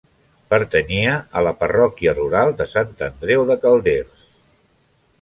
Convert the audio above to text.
Pertanyia a la parròquia rural de Sant Andreu de Calders.